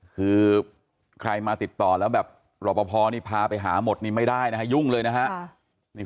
คือใครมาติดต่อแล้วแบบหลวงพ่อพาไปหาหมดนี่ไม่ได้นะยุ่งเลยนะครับ